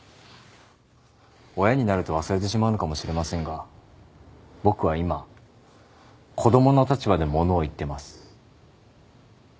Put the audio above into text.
親になると忘れてしまうのかもしれませんが僕は今子供の立場で物を言ってます。